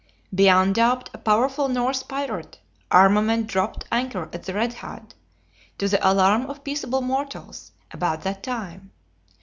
Beyond doubt a powerful Norse pirate armament dropt anchor at the Red Head, to the alarm of peaceable mortals, about that time.